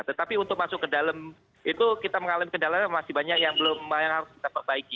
tetapi untuk masuk ke dalam itu kita mengalami kendala masih banyak yang belum harus kita perbaiki